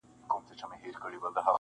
د نامردو ګوزارونه وار په وار سي -